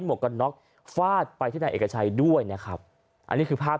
วกกันน็อกฟาดไปที่นายเอกชัยด้วยนะครับอันนี้คือภาพ